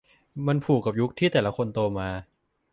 มันผูกกับยุคที่แต่ละคนโตมา